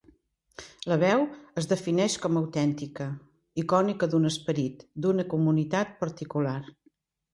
La veu es defineix com autèntica, icònica d’un esperit, d’una comunitat particular.